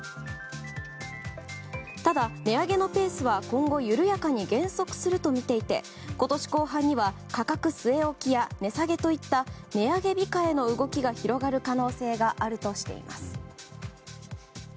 ただ、値上げのペースは今後緩やかに減速するとみていて今年後半には価格据え置きや値下げといった値上げ控えの動きが広がる可能性があるとしています。